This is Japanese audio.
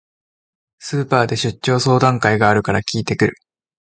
スーパーで出張相談会があるから聞いてくる